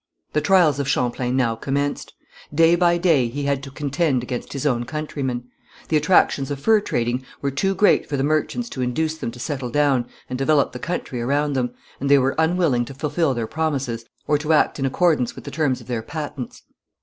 The trials of Champlain now commenced. Day by day he had to contend against his own countrymen. The attractions of fur trading were too great for the merchants to induce them to settle down and develop the country around them, and they were unwilling to fulfil their promises or to act in accordance with the terms of their patents.